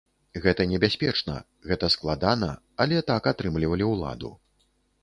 Гэта небяспечна, гэта складана, але так атрымлівалі ўладу.